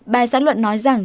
bài sản luận nói rằng